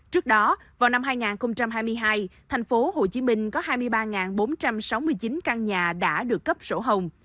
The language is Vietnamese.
trước đó vào năm hai nghìn hai mươi hai tp hcm có hai mươi ba bốn trăm sáu mươi chín căn nhà đã được cấp sổ hồng